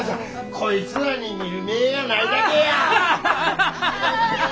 こいつらに見る目ぇがないだけや！